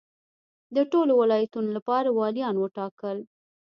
د ټولو ولایتونو لپاره والیان وټاکل.